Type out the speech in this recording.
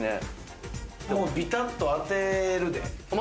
ビタっと当てるで。